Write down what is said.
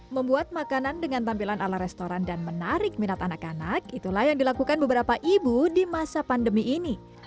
membuat makanan dengan tampilan ala restoran dan menarik minat anak anak itulah yang dilakukan beberapa ibu di masa pandemi ini